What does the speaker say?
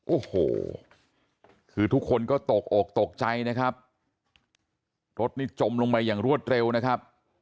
โอ้โหคือทุกคนก็ตกอกตกใจนะครับรถนี่จมลงไปอย่างรวดเร็วนะครับ